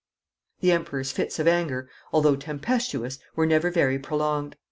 The Emperor's fits of anger, although tempestuous, were never very prolonged.